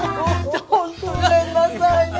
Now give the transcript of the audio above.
ごめんなさいね